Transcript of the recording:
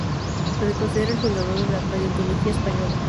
Se le considera el fundador de la paleontología española.